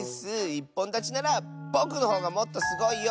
いっぽんだちならぼくのほうがもっとすごいよ。